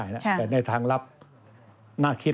การเปิดไม่ได้นะแต่ในทางลับน่าคิด